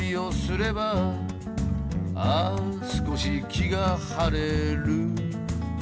「ああ少し気が晴れる」